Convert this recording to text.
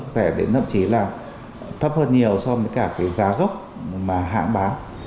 rẻ đến thậm chí là thấp hơn nhiều so với cả cái giá gốc mà hãng bán